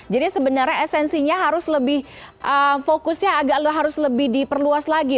jadi sebenarnya esensinya harus lebih fokusnya harus lebih diperluas lagi